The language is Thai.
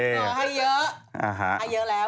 เนื้อให้เยอะให้เยอะแล้ว